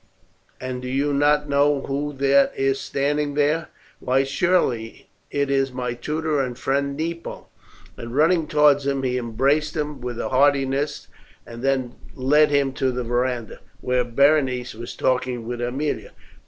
And do you not know who that is standing there?" "Why, surely it is my tutor and friend Nepo;" and running towards him he embraced him with heartiness and then led him to the verandah, where Berenice was talking with Aemilia.